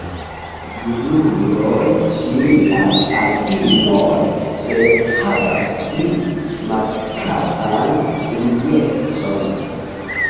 Junuloj similas al inoj, sed havas pli markatan striecon.